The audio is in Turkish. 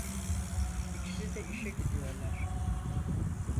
İkisi de işe gidiyorlar.